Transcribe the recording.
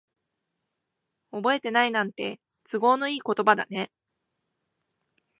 覚えてないなんて、都合のいい言葉だね。